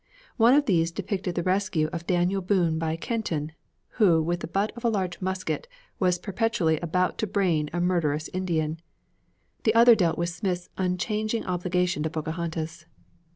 One of these depicted the rescue of Daniel Boone by Kenton, who with the butt of a large musket was perpetually about to brain a murderous Indian; the other dealt with Smith's unchanging obligation to Pocahontas.